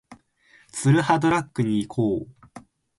ツルハドラッグに行こう